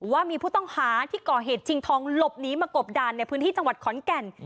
ว่ามีผู้ต้องหาที่ก่อเหตุชิงทองหลบหนีมากบดานในพื้นที่จังหวัดขอนแก่น